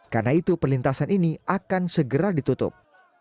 karena itu perlintasan ini akan segera ditutup